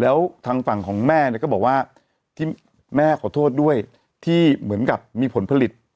แล้วทางฝั่งของแม่เนี่ยก็บอกว่าที่แม่ขอโทษด้วยที่เหมือนกับมีผลผลิต